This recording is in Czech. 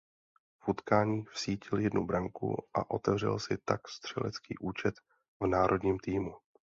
V utkání vsítil jednu branku a otevřel si tak střelecký účet v národním týmu.